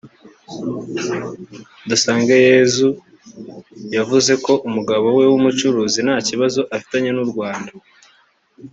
Dusangeyezu yavuze ko umugabo we w’umucuruzi nta kibazo afitanye n’u Rwanda